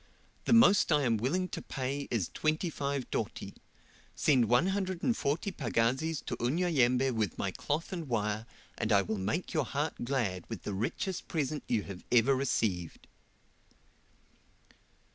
The most I am willing to pay is 25 doti: send one hundred and forty pagazis to Unyanyembe with my cloth and wire, and I will make your heart glad with the richest present you have ever received."